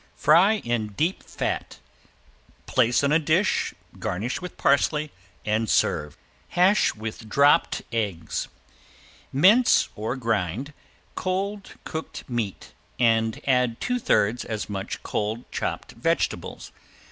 Fry in deep fat. Place on a dish, garnish with parsley and serve. ~HASH WITH DROPPED EGGS~ Mince or grind cold cooked meat and add two thirds as much cold chopped vegetables.